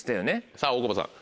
さぁ大久保さん。